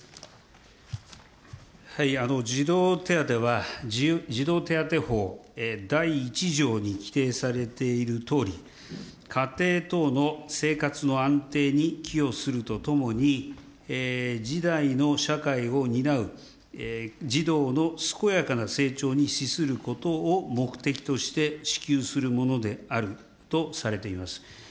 児童手当は、児童手当法第１条に規定されているとおり、家庭等の生活の安定に寄与するとともに、次代の社会を担う児童の健やかな成長にしすることを目的として支給するものであるとされています。